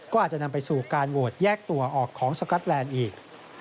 ก็อาจจะนำไปสู่การโหวตแยกตัวออกของสก๊อตแลนด์อีก